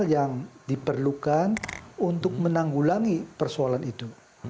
yang diperlukan untuk menanggulangi persoalan itu